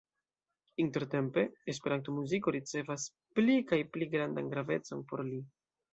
Intertempe Esperanto-muziko ricevas pli kaj pli grandan gravecon por li.